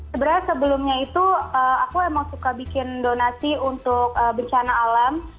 sebenarnya sebelumnya itu aku emang suka bikin donasi untuk bencana alam